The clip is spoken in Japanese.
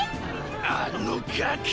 あのガキ！